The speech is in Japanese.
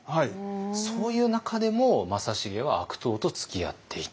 そういう中でも正成は悪党とつきあっていた。